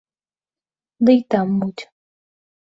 Ды й там муць.